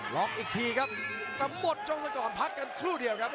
ล็อคอีกทีครับจะหมดจนก่อนพักกันครู่เดียวครับ